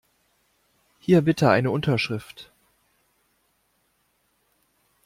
Hier bitte eine Unterschrift.